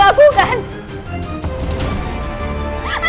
aku akan menangkapmu